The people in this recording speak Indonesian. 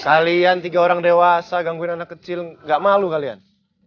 kalian tiga orang dewasa gangguin anak kecil gak malu kalian